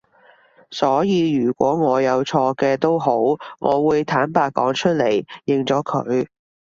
所以如果我有錯嘅都好我都會坦白講出嚟，認咗佢